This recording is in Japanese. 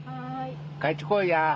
帰ってこいや。